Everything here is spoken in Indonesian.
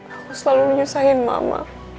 aku selalu nyusahin mama